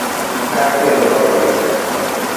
Kar tedo olil